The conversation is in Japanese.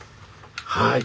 はい！